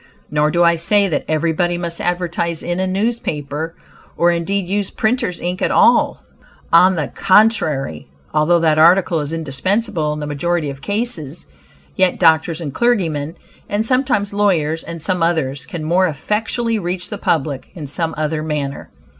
Nor do I say that everybody must advertise in a newspaper, or indeed use "printers' ink" at all. On the contrary, although that article is indispensable in the majority of cases, yet doctors and clergymen, and sometimes lawyers and some others, can more effectually reach the public in some other manner.